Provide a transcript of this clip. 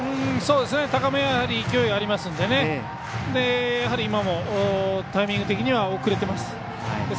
高めはやはり勢いありますのでやはり今も、タイミング的には遅れています。